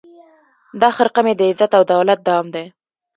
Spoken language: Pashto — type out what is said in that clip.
دا خرقه مي د عزت او دولت دام دی